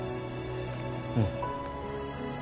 うん。